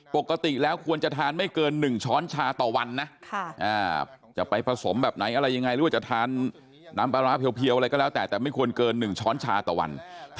ปกติแล้วควรจะทานไม่เกิน๑ช้อนชาต่อวัน